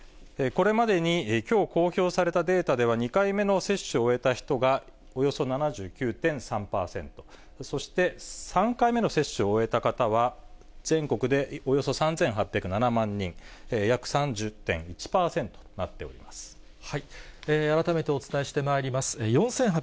これまでに、きょう公表されたデータでは、２回目の接種を終えた人がおよそ７９．３％、そして３回目の接種を終えた方は全国でおよそ３８０７万人、改めてお伝えしてまいります。